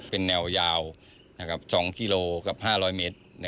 เป็นแนวยาว๒กิโลกับ๕๐๐เมตร